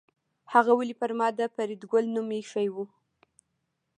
هغه ولې پر ما د فریدګل نوم ایښی و